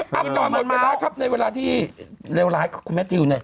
ก่อนหมดเวลาครับในเวลาที่เลวร้ายคุณแมททิวเนี่ย